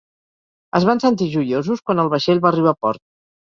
Es van sentir joiosos quan el vaixell va arribar a port.